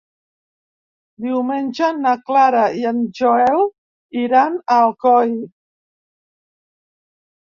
Diumenge na Clara i en Joel iran a Alcoi.